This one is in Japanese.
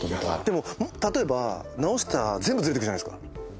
でも例えば直したら全部ずれてくじゃないですか。